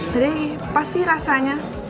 jadi pas sih rasanya